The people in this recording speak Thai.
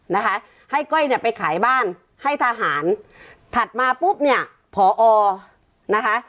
นะคะให้ก้อยเนี่ยไปขายบ้านให้ทหารถัดมาปุ๊บเนี่ยพอนะคะ